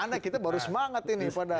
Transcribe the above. gimana kita baru semangat ini padahal